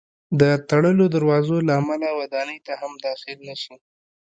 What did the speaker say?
د تړلو دروازو له امله ودانۍ ته هم داخل نه شي.